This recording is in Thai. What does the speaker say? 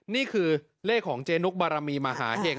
นี่คือเลขของเจนุกบารมีมหาเห็ง